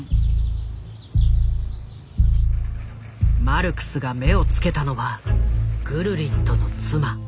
マルクスが目をつけたのはグルリットの妻。